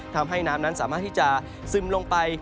ทำให้น้ำนั้นสามารถที่จะซึมลงไป